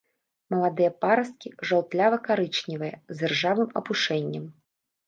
Маладыя парасткі жаўтлява-карычневыя, з іржавым апушэннем.